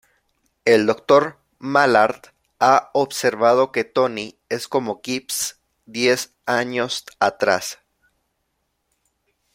El Dr. Mallard ha observado que Tony es como Gibbs diez años atrás.